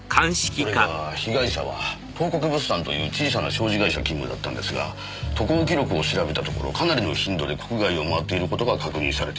それが被害者は東国物産という小さな商事会社勤務だったんですが渡航記録を調べたところかなりの頻度で国外を回っている事が確認されています。